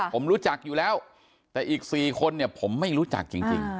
ผมรู้จักอยู่แล้วแต่อีก๔คนเนี่ยผมไม่รู้จักจริง